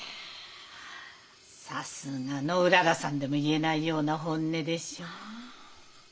さすがのうららさんでも言えないような本音でしょう？